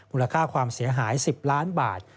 มูลค่าความเสียหาย๑๐ล้านบาท